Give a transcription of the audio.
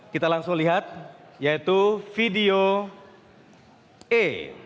kita langsung lihat yaitu video e